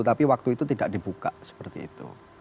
tapi waktu itu tidak dibuka seperti itu